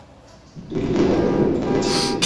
তুমি কিন্তু উৎপাত করবে না কথা দিয়েছিলে।